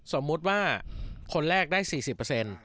สมมติว่าคนแรกได้๔๐เปอร์เซ็นต์